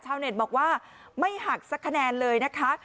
เน็ตบอกว่าไม่หักสักคะแนนเลยนะคะ